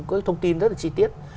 các thông tin rất là chi tiết